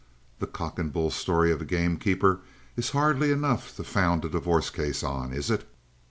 The cock and bull story of a gamekeeper is hardly enough to found a divorce case on, is it?"